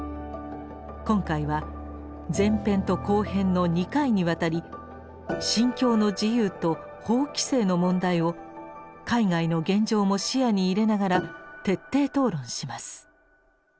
今回は前編と後編の２回にわたり「信教の自由」と法規制の問題を海外の現状も視野に入れながら徹底討論します。